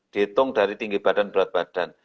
dihitung dari tinggi badan berat badan